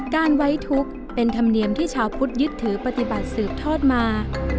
การไว้ทุกข์เป็นธรรมเนียมที่ชาวพุทธยึดถือปฏิบัติสืบทอดมา